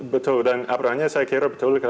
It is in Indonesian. betul dan apranya saya kira betul